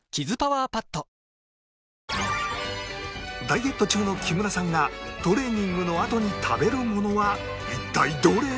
ダイエット中の木村さんがトレーニングのあとに食べるものは一体どれ？